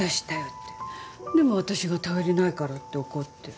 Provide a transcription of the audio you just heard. でも私が頼りないからって怒って。